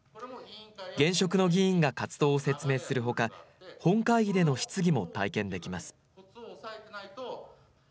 現職の議員が活動を説明するほか本会議での質疑も体験できます。